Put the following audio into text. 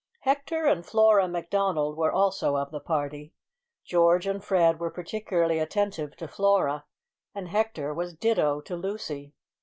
Hector and Flora Macdonald were also of the party. George and Fred were particularly attentive to Flora, and Hector was ditto to Lucy.